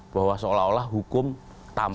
bahwa seolah olah hukum tanpa ada